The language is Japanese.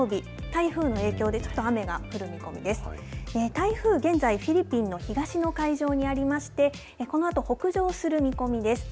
台風、現在フィリピンの東の海上にありまして、このあと北上する見込みです。